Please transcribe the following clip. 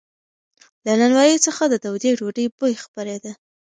له نانوایۍ څخه د تودې ډوډۍ بوی خپرېده.